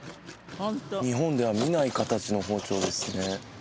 日本では見ない形の包丁ですね